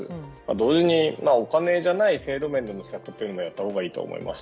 同時に、お金じゃない制度面の策もやったほうがいいと思います。